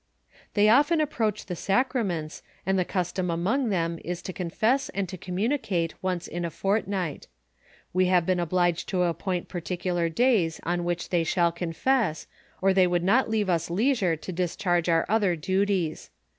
"They often approach the sacraments, and the custom among them ia to con fess and to communicate onoo in a fortnight. We have been obliged to appoint particular days on which they shall confess, or they would not leave us leisure to discharge our other duties.